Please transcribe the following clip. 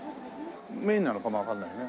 メインなのかもわかんないね。